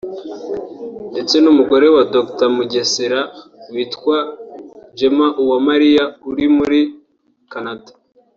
ndetse n’umugore wa Dr Mugesera witwa Gemma Uwamariya uri muri Canada